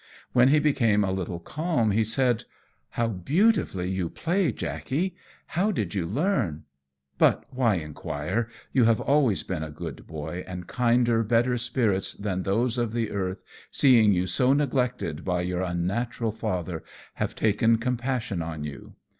When he became a little calm, he said "How beautifully you play, Jackey! How did you learn? But why inquire? You have always been a good boy, and kinder, better spirits than those of the earth, seeing you so neglected by your unnatural father, have taken compassion on you.